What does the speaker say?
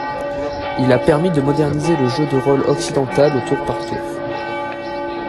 Il a permis de moderniser le jeu de rôle occidental au tour par tour.